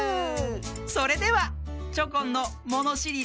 それではチョコンの「ものしりだれだ？」